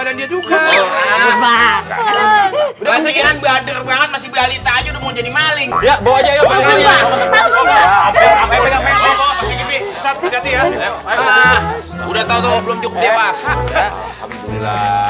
udah tau tau belum cukup